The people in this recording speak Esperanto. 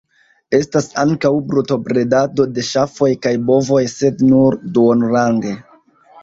Estas ankaŭ brutobredado de ŝafoj kaj bovoj sed nur duonrange.